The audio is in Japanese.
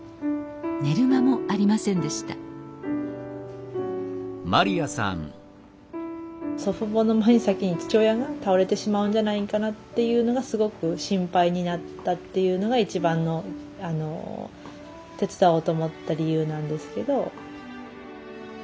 寝る間もありませんでした祖父母の前に先に父親が倒れてしまうんじゃないんかなっていうのがすごく心配になったっていうのが一番の手伝おうと思った理由なんですけど。